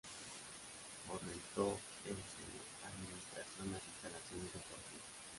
Fomentó en su administración las instalaciones deportivas.